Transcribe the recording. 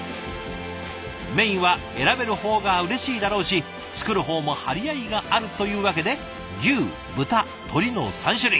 メインは選べる方がうれしいだろうし作る方も張り合いがあるというわけで牛豚鶏の３種類。